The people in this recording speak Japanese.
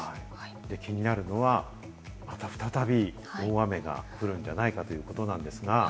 気になるのはまた再び大雨が降るんじゃないかということなんですが。